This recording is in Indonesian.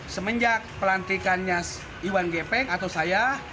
semenjak pelantikannya iwan gepeng atau saya